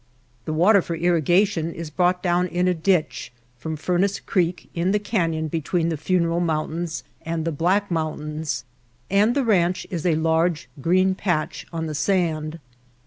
The water for irrigation is brought down in a ditch from Fur nace Creek in the canyon between the Funeral Mountains and the Black Mountains and the ranch is a large, green patch on the sand.